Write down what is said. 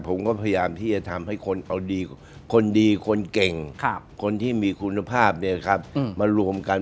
ผมก็พยายามที่จะทำให้คนเอาดีคนดีคนเก่งคนที่มีคุณภาพมารวมกัน